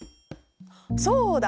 そうだ！